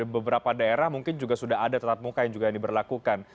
beberapa daerah mungkin juga sudah ada tetap muka yang juga diberlakukan